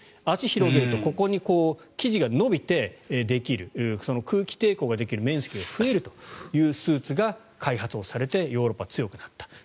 足を広げるとここに生地が伸びてできるその空気抵抗ができる面積が増えるというスーツが開発をされてヨーロッパは強くなった。